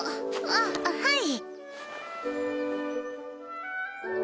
あっはい。